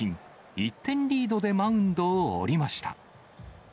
１点リードでマウンドを降りました。